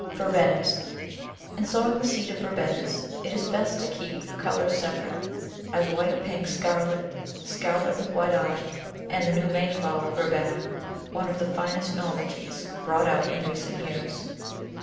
Verbenas IN sowing the seed of Verbenas it is best to keep colours separate, as white, pink, scarlet, scarlet with white eye, and the new Mayflower Verbena — one of the finest novelties brought out in recent years.